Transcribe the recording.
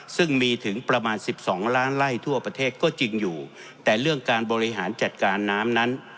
ซึ่งมีถึงประมาณสิบสองล้านไล่ทั่วประเทศก็จริงอยู่แต่เรื่องการบริหารจัดการน้ำนั้น